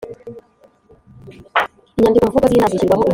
Inyandikomvugo z inama zishyirwaho umukono